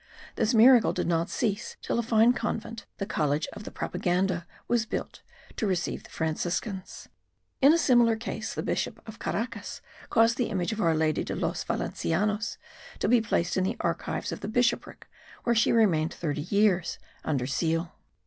This miracle did not cease till a fine convent (the college of the Propaganda) was built, to receive the Franciscans. In a similar case, the Bishop of Caracas caused the image of Our Lady de los Valencianos to be placed in the archives of the bishopric, where she remained thirty years under seal.